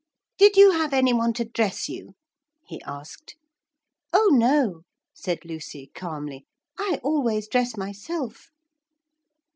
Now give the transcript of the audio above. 'Did you have any one to dress you?' he asked. 'Oh no!' said Lucy calmly. 'I always dress myself.'